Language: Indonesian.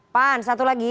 pan satu lagi